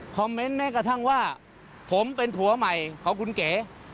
เมนต์แม้กระทั่งว่าผมเป็นผัวใหม่ของคุณเก๋